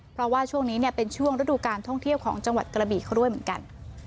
เพราะว่าช่วงนี้เป็นช่วงฤดูการท่องเที่ยวของจังหวัดกระบีเขาด้วยเหมือนกัน